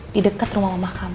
di deket rumah mama kamu